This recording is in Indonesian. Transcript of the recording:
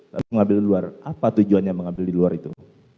tapi mengambil di luar apa tujuannya mengambil di luar itu